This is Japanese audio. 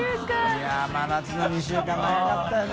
い真夏の２週間長かったよね。